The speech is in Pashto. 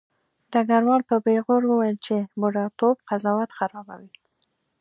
ډګروال په پیغور وویل چې بوډاتوب قضاوت خرابوي